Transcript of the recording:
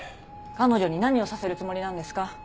彼女に何をさせるつもりなんですか？